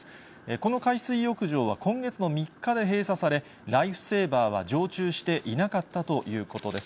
この海水浴場は今月の３日で閉鎖され、ライフセーバーは常駐していなかったということです。